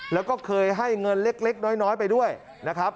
แล้วก็เคยให้เงินเล็กน้อยไปด้วยนะครับ